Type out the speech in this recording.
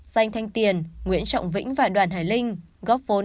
danh thanh tiền nguyễn trọng vĩnh và đoàn hải linh góp vốn